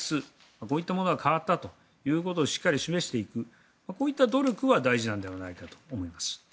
こういったものが変わったということをしっかり示していくこういった努力は大事なのではないかと思います。